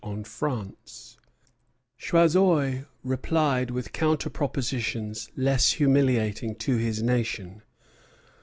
Choiseul replied with counter propositions less humiliating to his nation.